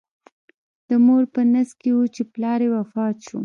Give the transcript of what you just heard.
د مور په نس کې و چې پلار یې وفات شو.